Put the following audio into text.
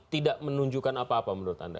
tidak menunjukkan apa apa menurut anda